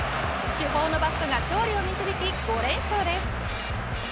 主砲のバットが勝利を導き５連勝です。